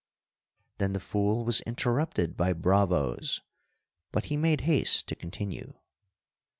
Then the fool was interrupted by bravos, but he made haste to continue.